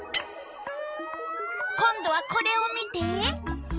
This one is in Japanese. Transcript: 今度はこれを見て。